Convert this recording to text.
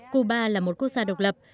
cuba là một quốc gia độc lập